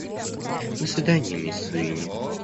До свидания, мисс Суини.